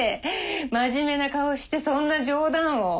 真面目な顔してそんな冗談を。